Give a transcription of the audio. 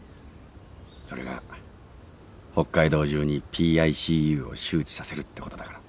それが北海道中にＰＩＣＵを周知させるってことだから。